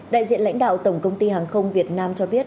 đại diện lãnh đạo tổng công ty hàng không việt nam cho biết